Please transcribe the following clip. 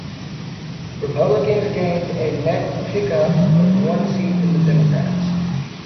Republicans gained a net pick-up of one seat from the Democrats.